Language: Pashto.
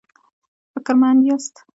فکر مند کېناست.